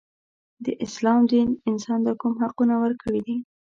د اسلام دین انسان ته کوم حقونه ورکړي دي.